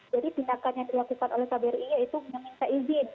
jadi tindakan yang dilakukan oleh kbri itu meminta izin